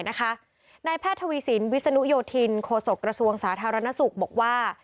นายแพทย์ทวีสินวิศนุโยธินโคศกระทรวงสาธารณสุขบอกว่า